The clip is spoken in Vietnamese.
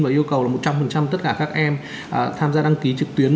và yêu cầu là một trăm linh tất cả các em tham gia đăng ký trực tuyến